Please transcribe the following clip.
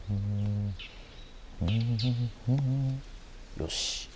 よし。